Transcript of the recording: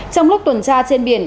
trong lúc tuần tra trên biển